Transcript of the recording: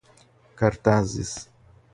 cartazes